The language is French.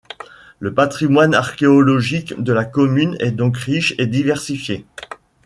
Le patrimoine archéologique de la commune est donc riche et diversifié.